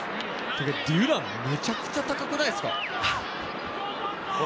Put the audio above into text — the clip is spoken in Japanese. デュラン、めちゃくちゃ高くないですか？